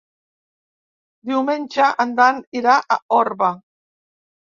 Diumenge en Dan irà a Orba.